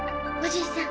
じいさん。